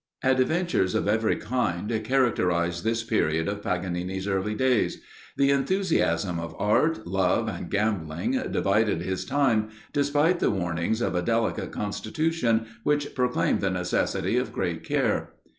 Adventures of every kind characterise this period of Paganini's early days; the enthusiasm of art, love, and gambling, divided his time, despite the warnings of a delicate constitution, which proclaimed the necessity of great care.